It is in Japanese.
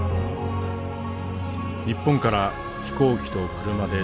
日本から飛行機と車で１６時間。